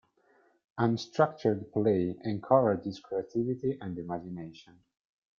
Unstructured play encourages creativity and imagination.